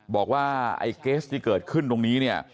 บอกว่าไอ้เกสที่เกิดขึ้นตรงนี้เนี่ย